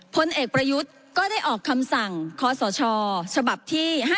พลเอกประยุทธ์ก็ได้ออกคำสั่งคศฉบับที่๕๗